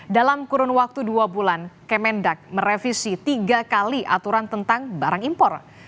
dalam kurun waktu dua bulan kemendak merevisi tiga kali aturan tentang barang impor